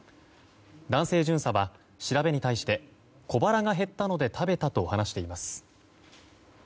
男性巡査は調べに対して小腹が減ったので食べたと話しています。